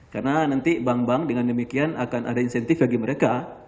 karena nanti bank bank dengan demikian akan ada insentif bagi mereka